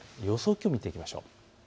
気温を見ていきましょう。